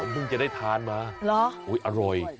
มึงจะได้ทานมาอร่อย